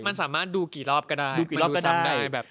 มันสามารถดูกี่รอบก็ได้